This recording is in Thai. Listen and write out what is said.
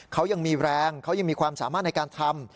เขายังมีแรงเขายังมีความสามารถในการทำ